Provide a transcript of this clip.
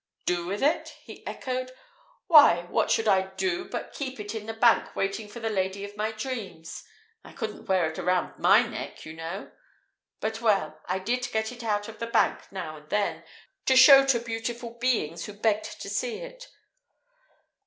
"Do with it?" he echoed. "Why, what should I do but keep it in the bank waiting for the Lady of my Dreams? I couldn't wear it round my neck, you know! But, well, I did get it out of the bank now and then, to show to beautiful beings who begged to see it.